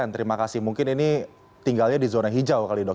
terima kasih mungkin ini tinggalnya di zona hijau kali dok